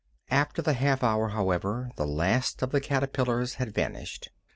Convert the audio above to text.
After the half hour, however, the last of the caterpillars had vanished.